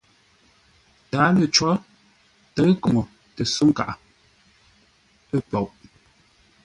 Tǎalo cǒ tə̌ʉ koŋə tə só nkaghʼə ə́ poʼ.